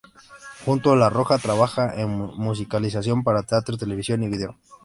Junto a La Roja trabaja en musicalización para teatro, televisión y video.